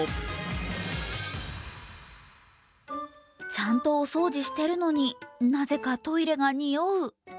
ちゃんとお掃除しているのになぜかトイレがにおう。